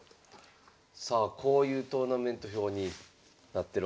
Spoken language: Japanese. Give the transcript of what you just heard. さあこういうトーナメント表になってるわけですね。